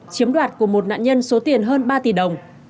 chiếm đoạt của một nạn nhân số tiền hơn ba tỷ đồng